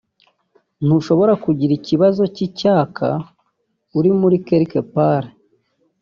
ntushobora kugira ikibazo cy'icyaka uri muri Quelque part